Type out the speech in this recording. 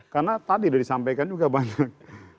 karena tadi udah disampaikan juga banyak